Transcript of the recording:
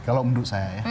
kalau menurut saya ya